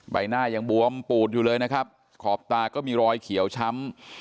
ใบหน้ายังบวมปูดอยู่เลยนะครับขอบตาก็มีรอยเขียวช้ำ